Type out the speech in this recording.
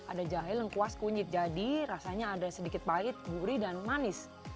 ada jahe lengkuas kunyit jadi rasanya ada sedikit pahit gurih dan manis